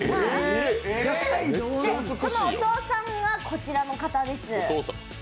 お父さんがこちらの方です。